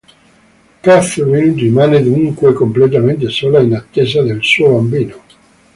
Catherine rimane dunque completamente sola in attesa del suo bambino.